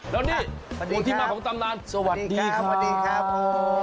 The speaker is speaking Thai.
แล้วนี่อุทิมาของตำรานสวัสดีค่ะสวัสดีครับโอ้โฮ